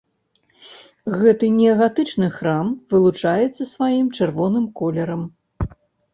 Гэты неагатычны храм вылучаецца сваім чырвоным колерам.